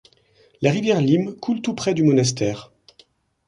La rivière Lim coule tout près du monastère.